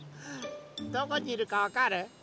どこにいるかわかる？